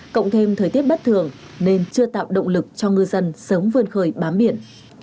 cộng thêm thời tiết bất thường nên chưa tạo động lực cho ngư dân sớm vươn khởi bám biển